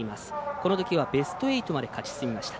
このときはベスト８まで勝ち進みました。